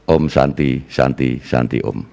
om shanti shanti shanti om